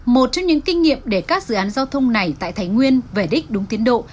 một trong những kinh nghiệm để các dự án giao thông này tại thái nguyên về đích đúng tiến độ